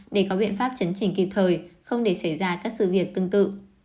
để có biện pháp chấn chỉnh kịp thời không để xảy ra các sự việc tương tự